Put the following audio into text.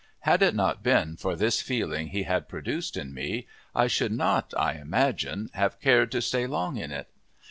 Had it not been for this feeling he had produced in me I should not, I imagine, have cared to stay long in it.